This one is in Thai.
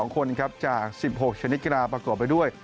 ๒คนครับจาก๑๖ชนิดกีฬาประกอบไปด้วย